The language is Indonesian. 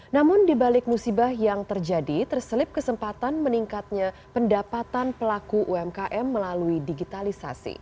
namun di balik musibah yang terjadi terselip kesempatan meningkatnya pendapatan pelaku umkm melalui digitalisasi